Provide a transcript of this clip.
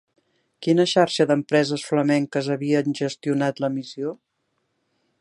Quina xarxa d'empreses flamenques havien gestionat la missió?